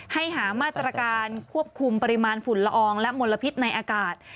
หามาตรการควบคุมปริมาณฝุ่นละอองและมลพิษในอากาศ